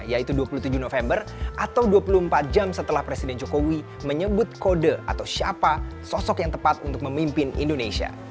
yaitu dua puluh tujuh november atau dua puluh empat jam setelah presiden jokowi menyebut kode atau siapa sosok yang tepat untuk memimpin indonesia